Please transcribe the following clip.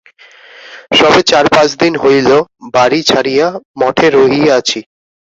সবে চার-পাঁচ দিন হইল বাড়ী ছাড়িয়া মঠে রহিয়াছি।